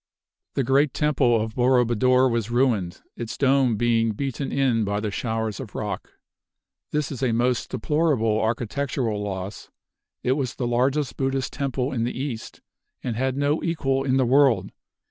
The great temple of Boro Buddor was ruined, its dome being beaten in by the showers of rock. This is a most deplorable architectural loss. It was the largest Buddhist Temple in the east, and had no equal in the world.